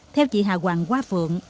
theo chị hà hoàng hoa phượng